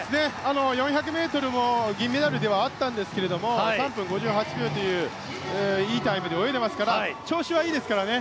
４００ｍも銀メダルではあったんですけども３分５８秒といういいタイムで泳いでいますから調子はいいですからね。